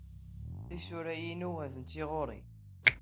Tisura-inni atenti ɣur-i.